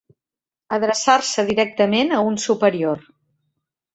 Adreçar-se directament a un superior.